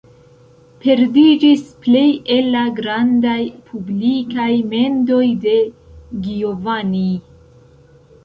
Perdiĝis plej el la grandaj publikaj mendoj de Giovanni.